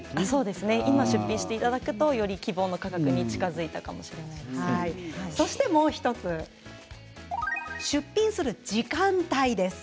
今出品していただくとより希望の価格にもう１つ出品する時間帯です。